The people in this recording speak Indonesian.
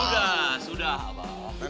sudah sudah abang